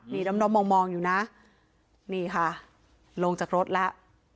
นี่ด้อมมองอยู่นะนี่ค่ะลงจากรถแล้ว